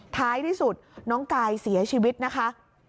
ท้ายที่สุดน้องกายเสียชีวิตนะคะ